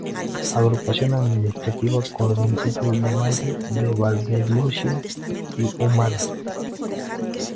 Agrupación administrativa con los municipios de Valle de Valdelucio y Humada.